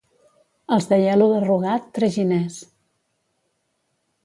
Els d'Aielo de Rugat, traginers.